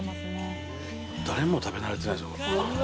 誰も食べ慣れてないぞ。